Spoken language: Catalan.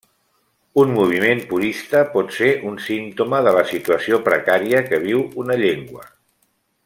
Un moviment purista pot ser un símptoma de la situació precària que viu una llengua.